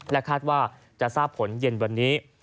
คาดว่าจะทราบผลเย็นวันนี้